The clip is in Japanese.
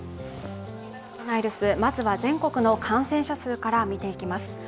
まずは全国の感染者数から見ていきます。